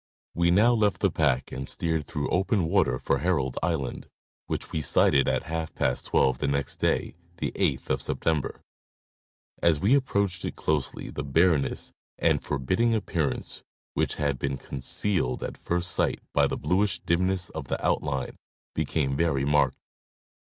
We now left the pack and steered through open water for Herald island, which we sighted at half past twelve the next day, 194 National Geographic Magazme. the 8th of September ; as we approached it closely the bareness | and forbidding appearance, which had been concealed at first sight by the bluish dimness of the outline, became very marked.